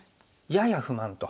やや不満と。